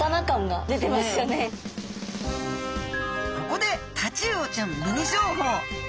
ここでタチウオちゃんミニ情報。